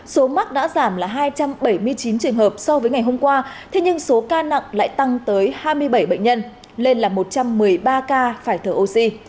số mắc đã giảm là hai trăm bảy mươi chín trường hợp so với ngày hôm qua thế nhưng số ca nặng lại tăng tới hai mươi bảy bệnh nhân lên là một trăm một mươi ba ca phải thở oxy